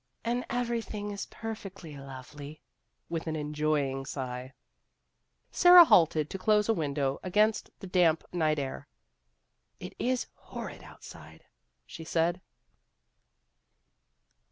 " And everything is perfectly lovely," with an enjoying sigh. One of the Girls 279 Sara had halted to close a window against the damp night air. " It is horrid outside," she said.